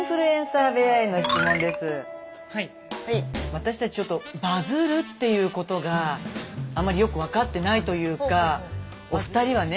私たちちょっとバズるっていうことがあんまりよく分かってないというかお二人はね